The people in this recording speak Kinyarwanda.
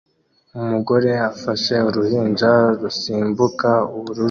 Umugore afashe uruhinja rusimbuka ubururu